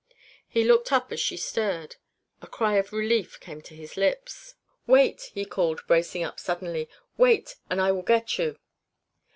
He looked up as she stirred; a cry of relief came to his lips. "Wait!" he called, bracing up suddenly. "Wait and I will get you."